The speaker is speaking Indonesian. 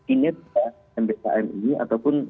inet mbkm ini ataupun